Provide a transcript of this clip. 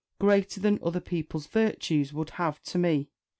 greater than other people's virtues would have to me.